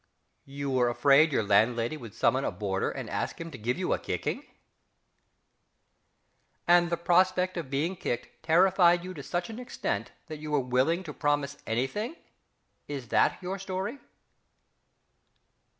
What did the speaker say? You were afraid your landlady would summon a boarder and ask him to give you a kicking?... And the prospect of being kicked terrified you to such an extent that you were willing to promise anything is that your story?...